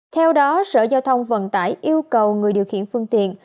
theo đó sở giao thông vận tải yêu cầu người điều khiển phương tiện